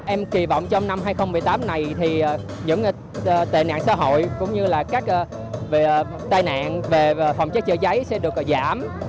em kỳ vọng trong năm hai nghìn một mươi tám này thì những tài nạn xã hội cũng như là các tài nạn về phòng chế chơi cháy sẽ được giảm